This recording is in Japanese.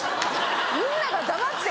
みんなが黙って。